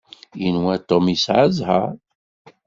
Yenwa Tom yesɛa zzheṛ.